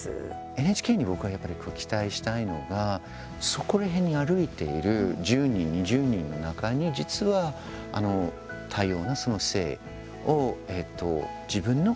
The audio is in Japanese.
ＮＨＫに僕がやっぱり期待したいのがそこら辺に歩いている１０人、２０人の中に実は、多様な性を自分の性格